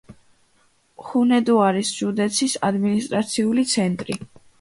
ჰუნედოარის ჟუდეცის ადმინისტრაციული ცენტრი.